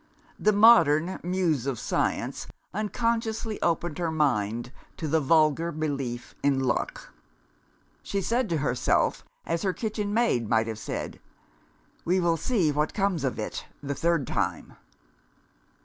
The modern Muse of Science unconsciously opened her mind to the vulgar belief in luck. She said to herself, as her kitchen maid might have said, We will see what comes of it, the third time!